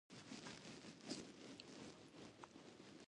ازادي راډیو د اطلاعاتی تکنالوژي په اړه د حکومت اقدامات تشریح کړي.